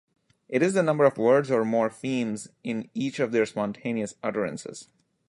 It is the number of words or morphemes in each of their spontaneous utterances.